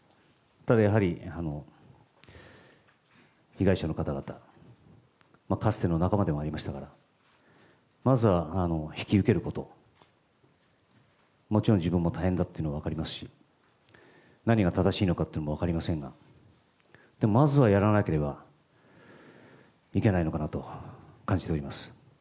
ただやはり、被害者の方々、かつての仲間でもありましたから、まずは引き受けること、もちろん自分も大変だっていうのも分かりますし、何が正しいのかというのは分かりませんが、まずはやらなければいけないのかなと感じております。